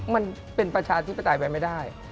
มันเป็นประชาธิปไตยไปไม่ได้